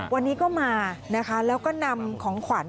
วันนี้ก็มานะคะแล้วก็นำของขวัญ